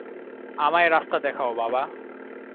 আমায় রাস্তা দেখাও, বাবা।